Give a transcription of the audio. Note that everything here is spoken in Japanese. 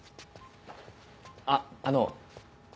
あっあの。